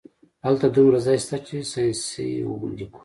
هلته دومره ځای شته چې ساینسي ولیکو